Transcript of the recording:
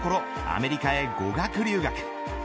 アメリカへ語学留学。